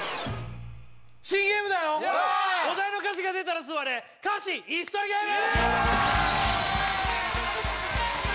新ゲームだよお題の歌詞が出たら座れ歌詞イス取りゲーム